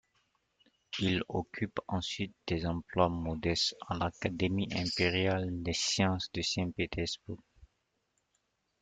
Il occupe ensuite des emplois modestes à l'académie impériale des sciences de Saint-Pétersbourg.